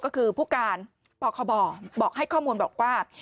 ก็คือผู้การปคบบอกให้ข้อมูลบอกว่า